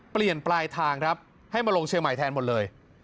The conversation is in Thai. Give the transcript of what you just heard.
ปลายทางครับให้มาลงเชียงใหม่แทนหมดเลย